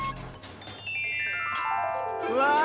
うわ！